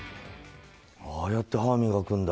ああやって歯を磨くんだ。